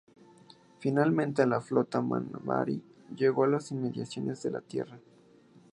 Finalmente la flota Minbari llegó a las inmediaciones de la Tierra.